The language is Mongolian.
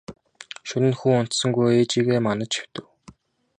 Шөнө нь хүү унтсангүй ээжийгээ манаж хэвтэв.